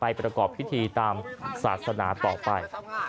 ประกอบพิธีตามศาสนาต่อไป